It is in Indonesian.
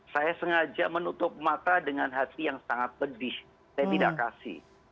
saya sengaja menutup mata dengan hati yang sangat pedih saya tidak kasih